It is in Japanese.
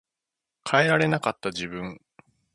変えられなかった自分